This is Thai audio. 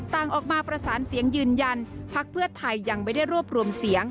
ต่างออกมาประสานเสียงยืนยันพักเพื่อไทยยังไม่ได้รวบรวมเสียง